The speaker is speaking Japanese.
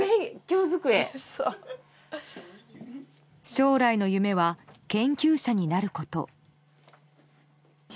将来の夢は研究者になること。